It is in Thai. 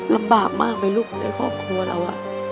ลำบากมากไหมลูกในครอบครัวเรา